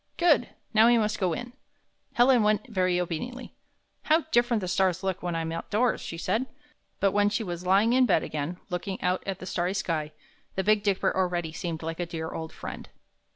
''Good! Now we must go in." Helen went very obediently. "How different the stars look when I'm outdoors!" she said. But when she was lying in bed again, look ing out at the starry sky, the Big Dipper already seemed like a dear old friend.